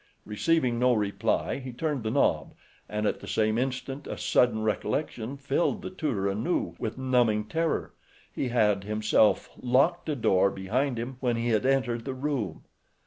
Receiving no reply he turned the knob, and at the same instant a sudden recollection filled the tutor anew with numbing terror—he had, himself, locked the door behind him when he had entered the room.